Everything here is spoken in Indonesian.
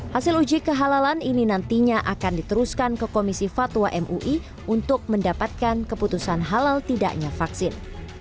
hasil uji kehalalan ini nantinya akan diteruskan ke komisi fatwa mui untuk mendapatkan keputusan halal tidaknya vaksin